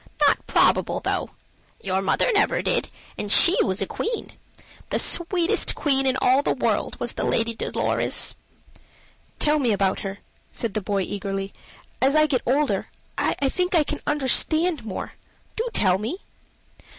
Not probable though. Your mother never did, and she was a queen. The sweetest queen in all the world was the Lady Dolorez." "Tell me about her," said the boy eagerly. "As I get older I think I can understand more. Do tell me."